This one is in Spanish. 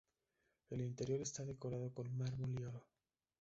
El interior está decorado con mármol y oro.